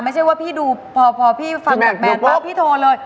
ไม่ใช่ว่าพี่ดูพอพี่ฟังแบบแนนปุ๊บพี่โทรเลย